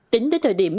tính đến thời điểm